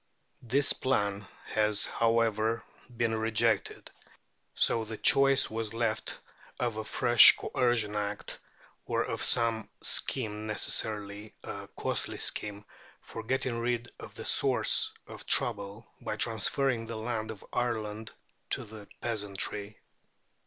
This plan, has, however, been rejected, so the choice was left of a fresh Coercion Act, or of some scheme, necessarily a costly scheme, for getting rid of the source of trouble by transferring the land of Ireland to the peasantry.